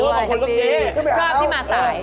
โอ้โฮขอบคุณครับเจ๊ขึ้นไปหาเขาชอบที่มาสาย